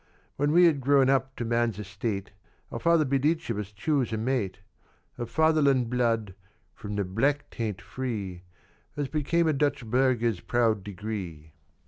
"When we had grown up to man's estate, Our father bid each of us choose a mate, Of Fatherland blood, from the black taint free, As became a Dutch burgher's proud degree.